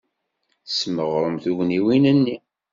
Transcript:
Tesmeɣrem tugniwin-nni.